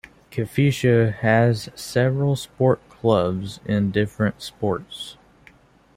Kifissia has several sport clubs in different sports.